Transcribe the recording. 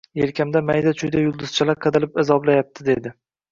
Yelkamda mayda-chuyda yulduzchalar qadalib azoblayapti dedi.